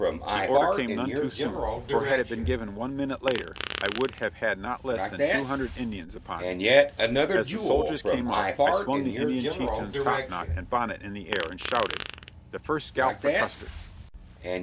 The order came none too soon, for had it been given one minute later I would have had not less than two hundred Indians upon me. As the soldiers came up I swung the Indian chieftain's top knot and bonnet in the air, and shouted: "The first scalp for Custer."